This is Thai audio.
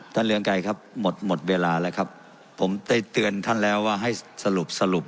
ท่านเรืองไกรครับหมดเวลาแล้วครับผมจะเตือนท่านแล้วว่าให้สรุป